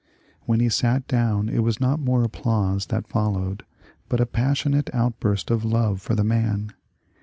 When he sat down it was not mere applause that followed, but a passionate outburst of love for the man.